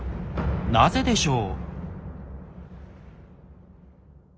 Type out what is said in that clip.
なぜでしょう？